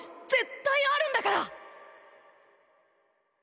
絶対あるんだから！